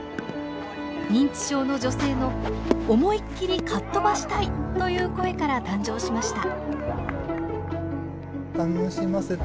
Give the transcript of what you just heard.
認知症の女性の「思いっきりかっとばしたい」という声から誕生しました。